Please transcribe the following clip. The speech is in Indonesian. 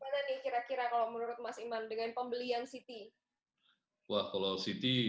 gimana nih kira kira kalau menurut mas iman dengan pembelian city